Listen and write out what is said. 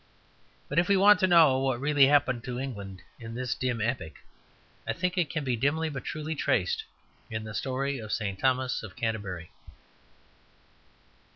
But if we want to know what really happened to England in this dim epoch, I think it can be dimly but truly traced in the story of St. Thomas of Canterbury.